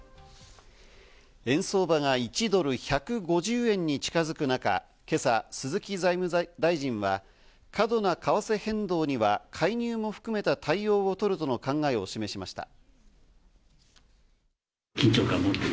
円相場が１ドル＝１５０円に近づく中、今朝、鈴木財務大臣は過度な為替変動には介入も含めた対応をとるとの考えを示しました。